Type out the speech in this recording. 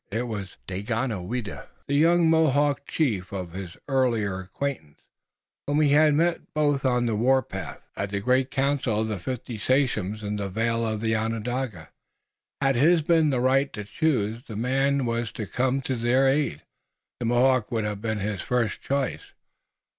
It was Daganoweda, the young Mohawk chief of his earlier acquaintance, whom he had met both on the war path and at the great council of the fifty sachems in the vale of Onondaga. Had his been the right to choose the man who was to come to their aid, the Mohawk would have been his first choice.